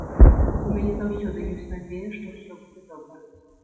У мяне заўсёды ёсць надзея, што ўсё будзе добра.